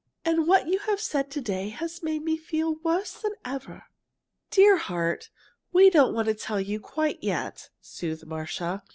And what you have said to day has made me feel worse than ever." "Dear heart, we don't want to tell you quite yet," soothed Marcia.